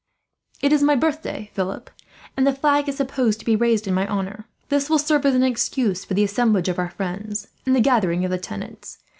"It is my birthday, Philip, and the flag is supposed to be raised in my honour. This will serve as an excuse for the assemblage of our friends, and the gathering of the tenants.